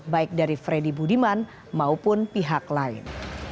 baik dari freddy budiman maupun pihak lain